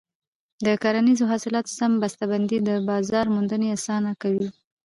د کرنیزو حاصلاتو سم بسته بندي د بازار موندنه اسانه کوي.